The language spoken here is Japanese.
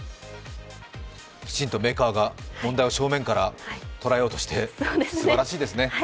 きちんとメーカーが問題を正面から捉えようとして、すばらしいですね。